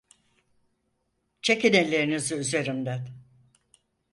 Çekin ellerinizi üzerimden!